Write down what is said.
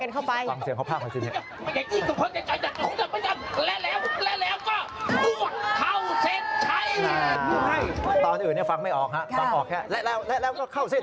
ใช่ตอนอื่นฟังไม่ออกครับฟังออกแค่และแล้วก็เข้าเส้น